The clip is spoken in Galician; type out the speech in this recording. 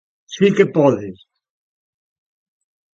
Si que podes.